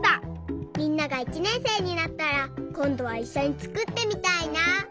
みんなが１ねんせいになったらこんどはいっしょにつくってみたいな。